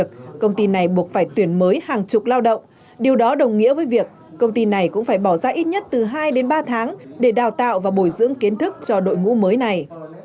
vì vậy công ty này buộc phải tuyển mới hàng chục lao động điều đó đồng nghĩa với việc công ty này cũng phải bỏ ra ít nhất từ hai đến ba tháng để đào tạo và bồi dưỡng kiến thức cho đội ngũ mới này